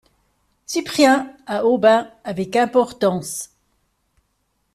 Cyprien , à Aubin, avec importance.